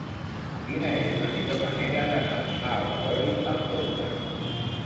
Quina és la millor manera d'anar a Alcoi amb cotxe?